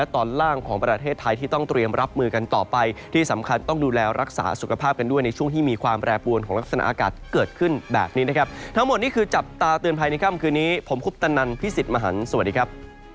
ตาเตือนภายในค่ำคืนนี้ผมคุปตันนันพี่สิทธิ์มหันต์สวัสดีครับ